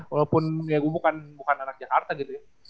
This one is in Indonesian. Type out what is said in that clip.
walaupun ya gue kan bukan anak jakarta gitu ya